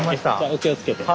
お気をつけて。